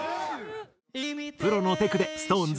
プロのテクでＳｉｘＴＯＮＥＳ